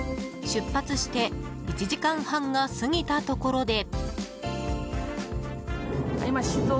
出発して１時間半が過ぎたところで。